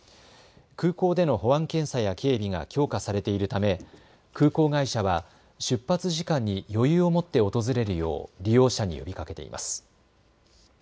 空港での保安検査や警備が強化されているため空港会社は出発時間に余裕を持って訪れるよう利用者に呼びかけています。